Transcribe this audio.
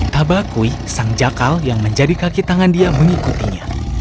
tabakui sang jakal yang menjadi kaki tangan dia mengikutinya